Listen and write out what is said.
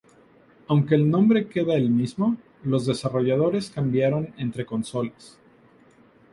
Aunque el nombre queda el mismo, los desarrolladores cambiaron entre consolas.